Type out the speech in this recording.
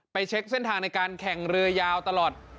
เช็คเส้นทางในการแข่งเรือยาวตลอด